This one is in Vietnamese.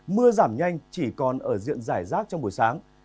mưa giảm nhanh chỉ còn ở diện giải rác trong buổi sáng